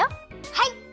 はい！